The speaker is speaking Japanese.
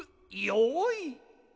よい。